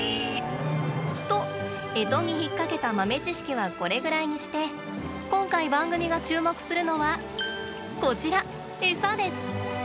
と、干支に引っ掛けた豆知識はこれぐらいにして今回番組が注目するのはこちら、餌です。